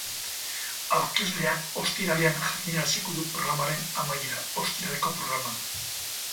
Aurkezleak ostiralean jakinaraziko du programaren amaiera, ostiraleko programan.